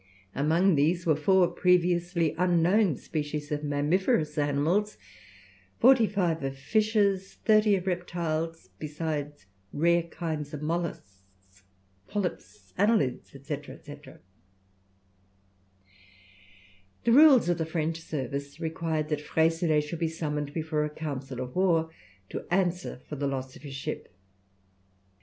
Among these were four previously unknown species of mammiferous animals, forty five of fishes, thirty of reptiles, besides rare kinds of molluscs, polypes, annelides, &c., &c. The rules of the French service required that Freycinet should be summoned before a council of war to answer for the loss of his ship.